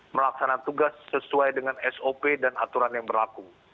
melaksanakan tugas sesuai dengan sop dan aturan yang berlaku